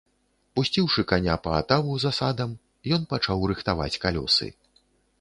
Пусціўшы каня па атаву за садам, ён пачаў рыхтаваць калёсы.